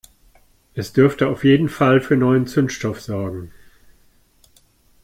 Es dürfte auf jeden Fall für neuen Zündstoff sorgen.